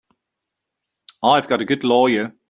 I've got a good lawyer.